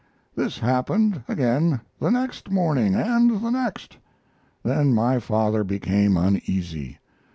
This happened again the next morning, and the next. Then my father became uneasy.